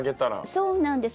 そうなんです。